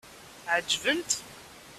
Ɛeǧben-t?